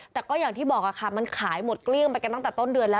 แต่ก็อย่างที่บอกค่ะมันขายหมดเกลี้ยงไปกันตั้งแต่ต้นเดือนแล้ว